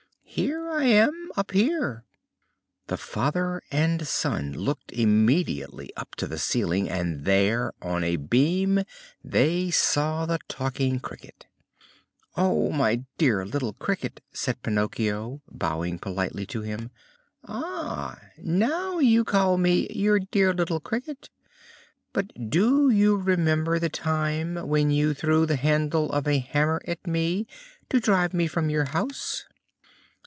"Here I am, up here!" The father and son looked immediately up to the ceiling, and there on a beam they saw the Talking Cricket. "Oh, my dear little Cricket!" said Pinocchio, bowing politely to him. "Ah! now you call me 'Your dear little Cricket.' But do you remember the time when you threw the handle of a hammer at me, to drive me from your house?"